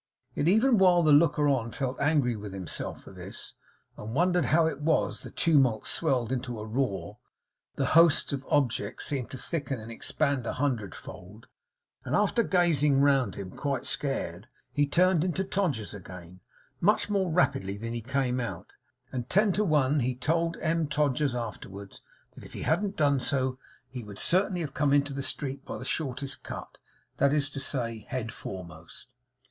Yet even while the looker on felt angry with himself for this, and wondered how it was, the tumult swelled into a roar; the hosts of objects seemed to thicken and expand a hundredfold, and after gazing round him, quite scared, he turned into Todgers's again, much more rapidly than he came out; and ten to one he told M. Todgers afterwards that if he hadn't done so, he would certainly have come into the street by the shortest cut; that is to say, head foremost.